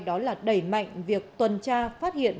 đó là đẩy mạnh việc tuần tra phát hiện